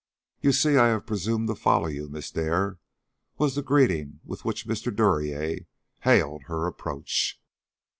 "You see I have presumed to follow you, Miss Dare," was the greeting with which Mr. Duryea hailed her approach.